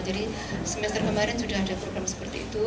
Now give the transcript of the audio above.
jadi semester kemarin sudah ada program seperti itu